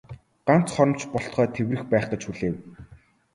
Ганц хором ч болтугай тэврэх байх гэж хүлээв.